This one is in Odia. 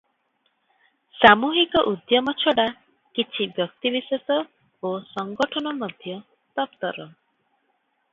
ସାମୁହିକ ଉଦ୍ୟମ ଛଡ଼ା କିଛି ବ୍ୟକ୍ତିବିଶେଷ ଓ ସଙ୍ଗଠନ ମଧ୍ୟ ତତ୍ପର ।